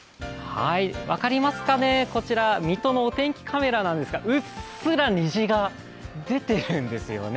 分かりますかね、こちら水戸のお天気カメラなんですがうっすら虹が出てるんですよね。